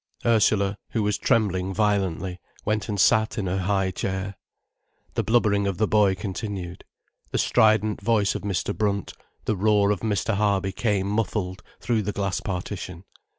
Ursula, who was trembling violently, went and sat in her high chair. The blubbering of the boy continued. The strident voice of Mr. Brunt, the roar of Mr. Harby, came muffled through the glass partition.